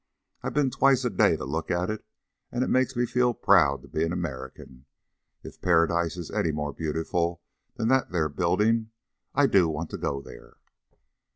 I've been twice a day to look at it, and it makes me feel proud to be an Amurrican. If Paradise is any more beautiful than that there buildin', I do want to go there."